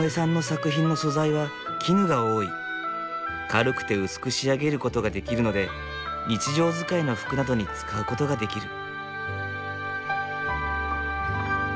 軽くて薄く仕上げることができるので日常使いの服などに使うことができる。